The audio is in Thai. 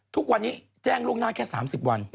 ทุกวันนี้แจ้งล่วงหน้าแค่๓๐วัน